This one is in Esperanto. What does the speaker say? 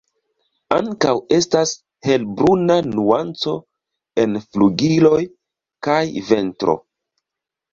Ankaŭ estas helbruna nuanco en flugiloj kaj ventro.